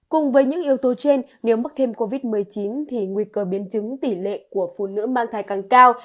cùng với những yếu tố trên nếu mắc thêm covid một mươi chín thì nguy cơ biến chứng tỷ lệ của phụ nữ mang thai càng cao